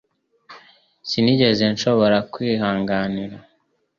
Sinigeze nshobora kwi hanganira